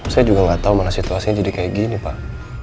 saya juga nggak tahu mana situasinya jadi kayak gini pak